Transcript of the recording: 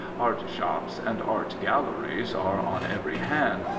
"Art" shops and art "galleries" are on every hand.